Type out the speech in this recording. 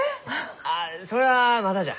あそれはまだじゃ。